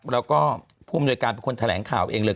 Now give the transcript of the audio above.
แล้วก็ผู้อำนวยการเป็นคนแถลงข่าวเองเลย